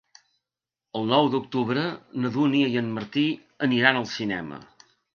El nou d'octubre na Dúnia i en Martí aniran al cinema.